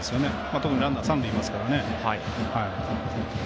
特にランナー、三塁にいますから。